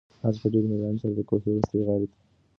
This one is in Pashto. آس په ډېرې مېړانې سره د کوهي وروستۍ غاړې ته نږدې شو.